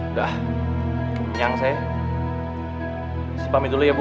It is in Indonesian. udah kemenyang saya siap pami dulu ya bu